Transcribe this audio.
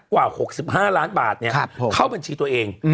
กว่า๖๕ล้านบาทเข้าบัญชีตัวเอง